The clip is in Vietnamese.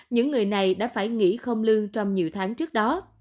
những người này đã phải nghỉ không lương trong nhiều tháng trước đó